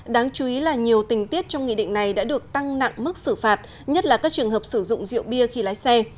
đáng chú ý là nhiều tình tiết trong nghị định này đã được tăng nặng mức xử phạt nhất là các trường hợp sử dụng rượu bia khi lái xe